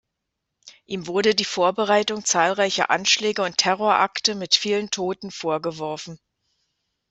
Ihm wurde die Vorbereitung zahlreicher Anschläge und Terrorakte mit vielen Toten vorgeworfen.